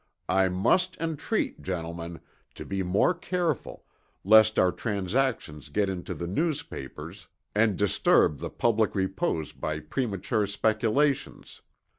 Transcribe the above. I must entreat, Gentlemen, to be more careful, lest our transactions get into the News Papers, and disturb the public repose by premature speculations.